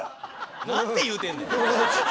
何て言うてんねん！